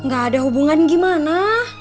gak ada hubungan gimana